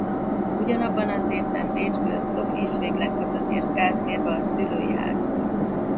Ugyanabban az évben Bécsből Sophie is végleg hazatért Kázmérba a szülői házhoz.